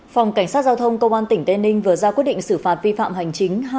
phòng cảnh sát giao thông công an tỉnh tây ninh vừa ra quyết định xử phạt vi phạm hành chính